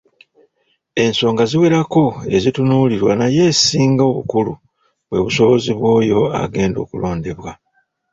Ensonga ziwerako ezitunuulirwa naye esinga obukulu bwe busobozi bw'oyo agenda okulondebwa.